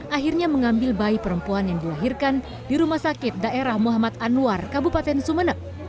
akhirnya mengambil bayi perempuan yang dilahirkan di rumah sakit daerah muhammad anwar kabupaten sumeneb